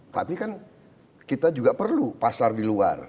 tapi kan kita juga perlu pasar di luar